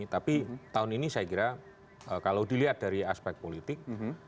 tapi tahun ini saya kira kalau dilihat dari aspek politik